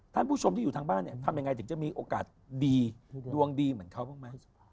ท่านผู้ชมที่อยู่ทางบ้านเนี่ยทำยังไงถึงจะมีโอกาสดีดวงดีเหมือนเขาบ้างไหม